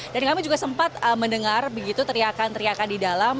dan kami juga sempat mendengar teriakan teriakan di dalam